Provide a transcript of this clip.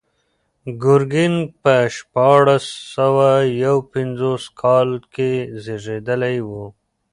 ګورګین په شپاړس سوه یو پنځوس کال کې زېږېدلی و.